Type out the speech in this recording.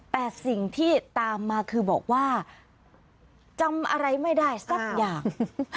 แต่สิ่งที่ตามมาคือบอกว่าจำอะไรไม่ได้สักอย่าง